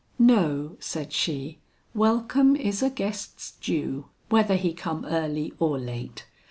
"No," said she, "welcome is a guest's due, whether he come early or late.